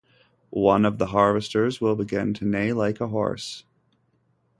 One of the harvesters will begin to neigh like a horse.